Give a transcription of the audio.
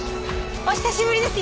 お久しぶりです